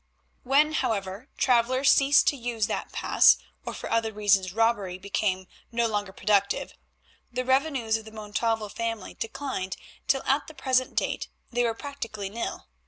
When, however, travellers ceased to use that pass, or for other reasons robbery became no longer productive, the revenues of the Montalvo family declined till at the present date they were practically nil.